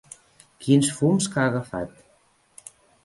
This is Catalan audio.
Quins fums que ha agafat.